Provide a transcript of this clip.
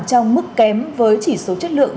trong mức kém với chỉ số chất lượng